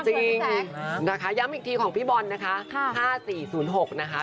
จริงนะคะย้ำอีกทีของพี่บอลนะคะ